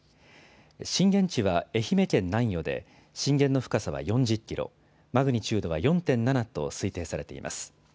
震源地は愛媛県南予で、震源の深さは４０キロ、マグニチュードは４．７と推定されています。